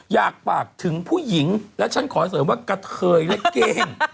อยากฝากถึงผู้หญิงและฉันขอเสริมว่ากะเทยและเก้ง